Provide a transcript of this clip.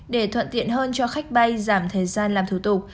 để thuận tiện hơn cho khách bay giảm thời gian làm thủ tục